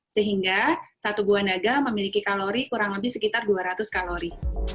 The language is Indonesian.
sehingga satu buah naga memiliki kalori kurang lebih sekitar dua ratus kalori